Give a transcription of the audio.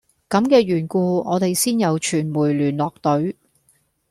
咁嘅緣故我哋先有傳媒聯絡隊